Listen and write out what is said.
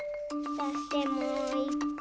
そしてもういっこ。